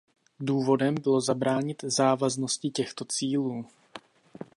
Důvodem bylo zabránit závaznosti těchto cílů.